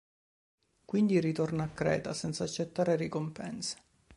Quindi ritorna a Creta senza accettare ricompense.